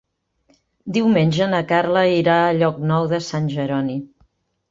Diumenge na Carla irà a Llocnou de Sant Jeroni.